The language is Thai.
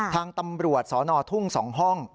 ทางตำรวจสนทุ่ง๒ห้อง